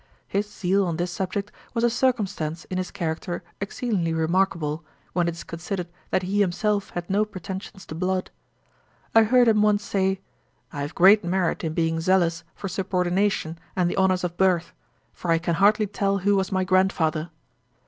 His zeal on this subject was a circumstance in his character exceedingly remarkable, when it is considered that he himself had no pretensions to blood. I heard him once say, 'I have great merit in being zealous for subordination and the honours of birth; for I can hardly tell who was my grandfather.'